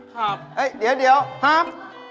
เฮ้ยเดี๋ยวครับ